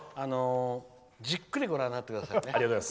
じっくりご覧になってくださいね。